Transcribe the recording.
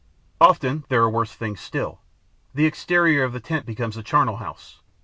Often there are worse things still: the exterior of the tent becomes a charnel house.